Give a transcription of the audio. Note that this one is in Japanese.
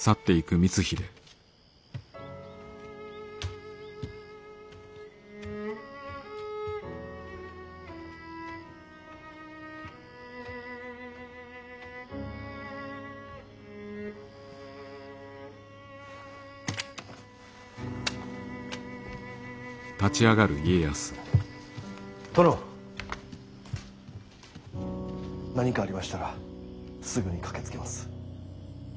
何かありましたらすぐに駆けつけます。